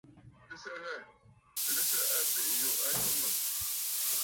Sɨgɨsə ghâ! Sɨgɨgɨsə abèʼè yû a atu mə̀.